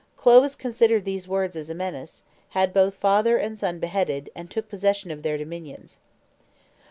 Clovis considered these words as a menace, had both father and son beheaded, and took possession of their dominions.